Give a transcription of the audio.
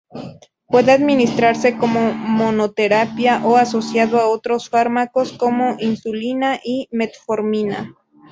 Puede administrarse como monoterapia o asociado a otros fármacos como insulina y metformina.